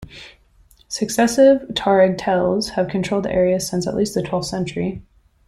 Successive Tuareg "Tel"s have controlled the area since at least the twelfth century.